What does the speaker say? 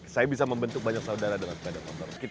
saya bisa membentuk banyak saudara dengan sepeda motor